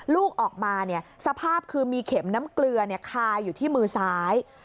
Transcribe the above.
ลูกออกมาสภาพคือมีเข็มน้ำเกลือคาอยู่ที่มือซ้าย